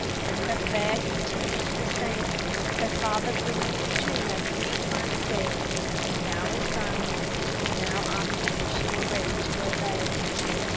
Her fare continued the same, her father bringing it to her three times daily, now in silence, now asking if she were ready to obey.